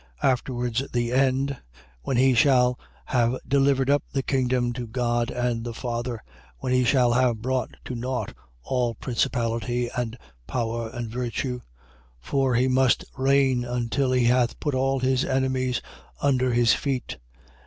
15:24. Afterwards the end: when he shall have delivered up the kingdom to God and the Father: when he shall have brought to nought all principality and power and virtue. 15:25. For he must reign, until he hath put all his enemies under his feet.